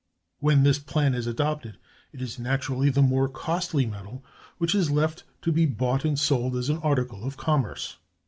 When this plan is adopted, it is naturally the more costly metal which is left to be bought and sold as an article of commerce.